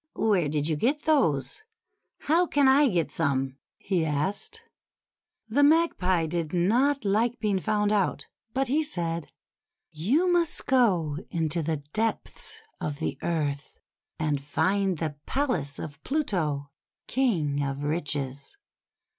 "Where did you get those? How can I get some?" he asked. The Magpie did not like being found out; but he said: — "You must go into the depths of the earth, and find the palace of Pluto, King of Riches.